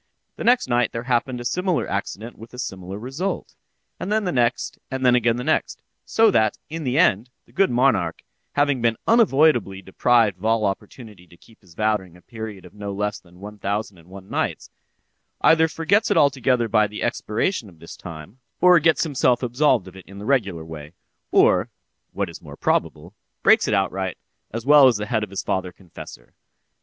The next night there happened a similar accident with a similar result; and then the next—and then again the next; so that, in the end, the good monarch, having been unavoidably deprived of all opportunity to keep his vow during a period of no less than one thousand and one nights, either forgets it altogether by the expiration of this time, or gets himself absolved of it in the regular way, or (what is more probable) breaks it outright, as well as the head of his father confessor.